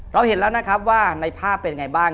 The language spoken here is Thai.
เราเห็นแล้วนะครับว่าในภาพเป็นยังไงบ้าง